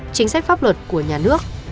chính sách pháp luật của nhà nước